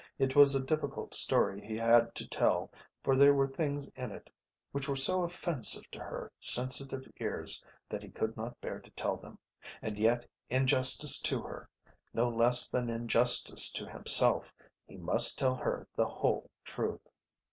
It was a difficult story he had to tell, for there were things in it which were so offensive to her sensitive ears that he could not bear to tell them, and yet in justice to her, no less than in justice to himself, he must tell her the whole truth.